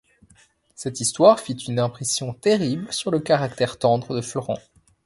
Cette histoire fit une impression terrible sur le caractère tendre de Florent.